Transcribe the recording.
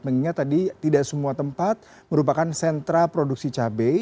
mengingat tadi tidak semua tempat merupakan sentra produksi cabai